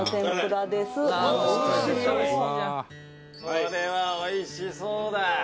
「これはおいしそうだ」